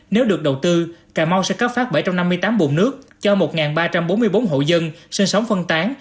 nếu được đầu tư cà mau sẽ cấp phát bảy trăm năm mươi tám bồn nước cho một ba trăm bốn mươi bốn hộ dân sinh sống phân tán